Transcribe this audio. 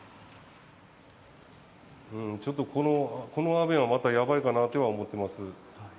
ちょっと、この雨はまたやばいかなとは思ってます。